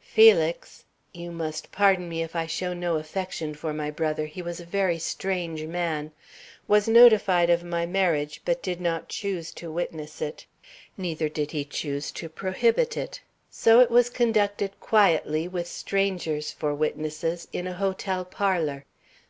"Felix (you must pardon me if I show no affection for my brother he was a very strange man) was notified of my marriage, but did not choose to witness it, neither did he choose to prohibit it; so it was conducted quietly, with strangers for witnesses, in a hotel parlor.